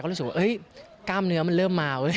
รู้สึกว่ากล้ามเนื้อมันเริ่มมาเว้ย